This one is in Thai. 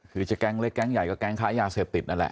คือจะแก๊งเล็กแก๊งใหญ่ก็แก๊งค้ายาเสพติดนั่นแหละ